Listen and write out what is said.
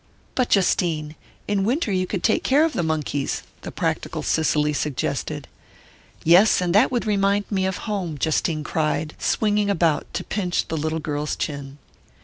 "But, Justine, in winter you could take care of the monkeys," the practical Cicely suggested. "Yes and that would remind me of home!" Justine cried, swinging about to pinch the little girl's chin.